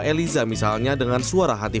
eliza misalnya dengan suara hati